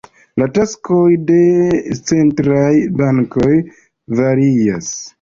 La taskoj de centraj bankoj varias.